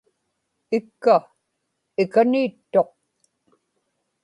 ikka ikani ittuq